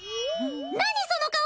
何その顔！